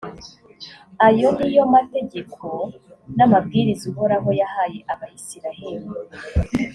ayo ni yo mategeko n’amabwiriza uhoraho yahaye abayisraheli